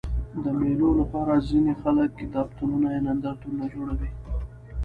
د مېلو له پاره ځيني خلک کتابتونونه یا نندارتونونه جوړوي.